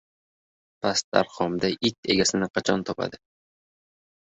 Pastdarg‘omda it egasini qachon topadi?!